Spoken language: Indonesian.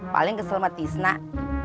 paling kesel sama tisnak